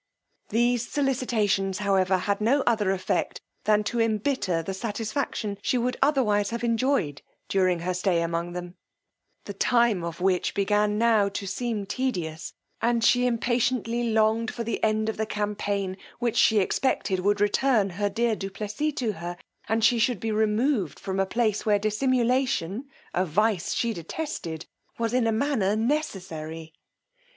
These sollicitations, however, had no other effect than to embitter the satisfaction she would otherwise have enjoyed during her stay among them; the time of which began now to seem tedious, and she impatiently longed for the end of the campaign, which she expected would return her dear du Plessis to her, and she should be removed from a place where dissimulation, a vice she detested, was in a manner necessary.